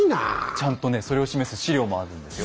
ちゃんとねそれを示す史料もあるんですよ。